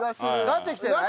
なってきてない？